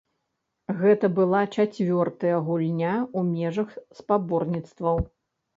Гэта была чацвёртая гульня ў межах спаборніцтваў.